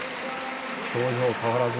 表情、変わらず。